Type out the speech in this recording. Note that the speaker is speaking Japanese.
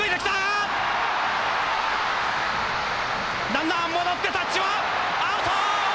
ランナー戻ってタッチはアウト！